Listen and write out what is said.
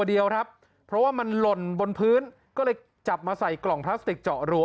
เดียวครับเพราะว่ามันหล่นบนพื้นก็เลยจับมาใส่กล่องพลาสติกเจาะรู